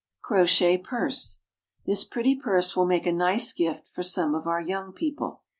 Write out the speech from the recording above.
CROCHET PURSE. This pretty purse will make a nice gift for some of our young people.